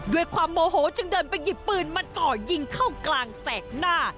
ด้วยความโมโหจึงเดินไปหยิบปืนมาจ่อยิงเข้ากลางแสกหน้า